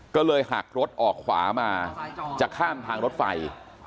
ก็เลยหักรถออกขวามาจะข้ามทางรถไฟ